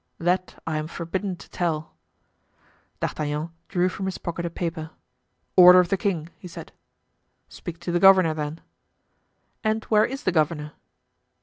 "That I am forbidden to tell." D'Artagnan drew from his pocket a paper. "Order of the king," he said. "Speak to the governor, then." "And where is the governor?"